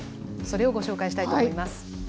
それをご紹介したいと思います。